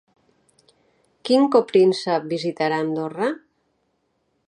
Quin copríncep visitarà Andorra?